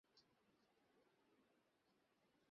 আমি কি একটু বেশীই দেরি করে ফেলেছি?